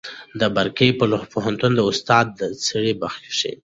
د برکلي پوهنتون استاد د دې څېړنې مخکښ دی.